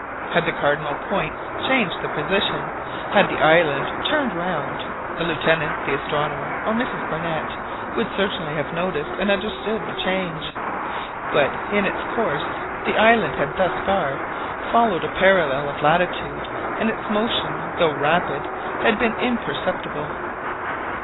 Had the cardinal points changed their position, had the island turned round, the Lieutenant, the astronomer, or Mrs Barnett, would certainly have noticed and understood the change; but in its course the island had thus far followed a parallel of latitude, and its motion, though rapid, had been imperceptible.